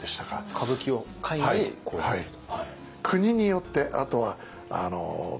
歌舞伎を海外で公演すると。